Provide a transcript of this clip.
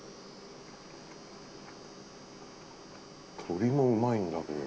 鶏もうまいんだけど。